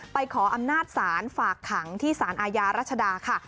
ขออำนาจศาลฝากขังที่สารอาญารัชดาค่ะ